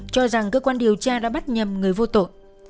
cho rằng cơ quan điều tra đã bắt nhầm người vô tội